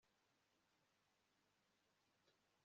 biigomba guseswa hakurikijwe ibivugwa mu itegeko